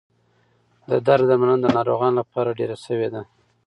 د درد درملنه د ناروغانو لپاره ډېره شوې ده.